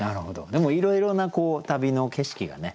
でもいろいろな旅の景色がね。